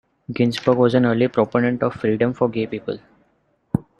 Ginsberg was an early proponent of freedom for gay people.